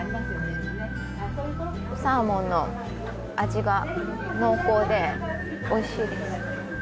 サーモンの味が濃厚でおいしいです。